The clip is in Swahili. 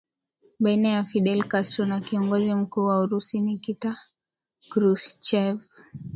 Baina ya Fidel Castro na kiongozi mkuu wa Urusi Nikita Khrushchev